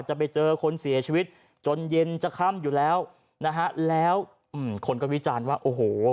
จะไปเจอคนเสียชีวิตจนเย็นจะค่ำอยู่แล้วนะฮะแล้วอืมคนก็วิจารณ์ว่าโอ้โห